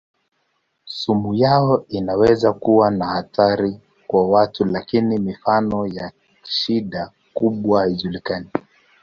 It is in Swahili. Sumu yao inaweza kuwa na hatari kwa watu lakini mifano ya shida kubwa haijulikani.